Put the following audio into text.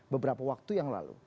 beberapa waktu yang lalu